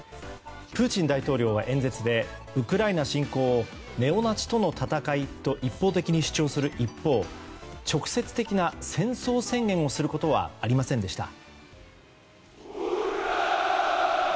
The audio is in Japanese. プーチン大統領が演説でウクライナ侵攻をネオナチとの戦いと一方的に主張する一方直接的な戦争宣言をすることはありませんでした。